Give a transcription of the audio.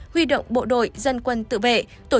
huy động bộ đội dân quân tự vệ